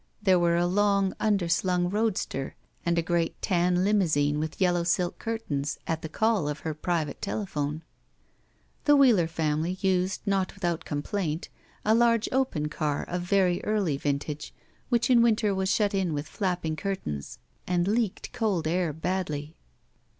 There were a long underslung roadster and a great tan limousine with yellow silk curtains at the call of her private telephone. The Wheeler family used, not without complaint, a large open car of very early vintage, which in winter was shut in with flapping curtains with isin glass peepers, and leaked cold air badly.